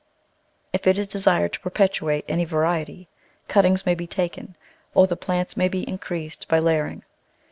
If it is desired to perpetuate any variety cuttings may be taken, or the plants may be increased by layer ing.